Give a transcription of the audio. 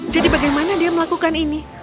bagaimana dia melakukan ini